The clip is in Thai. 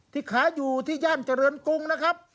ขายอยู่ที่ย่านเจริญกรุงนะครับ